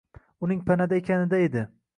Uning panada ekanida edi.